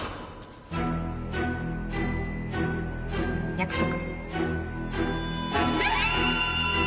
約束。